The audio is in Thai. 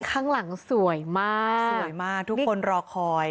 ข้างหลังสวยมากสวยมากทุกคนรอคอย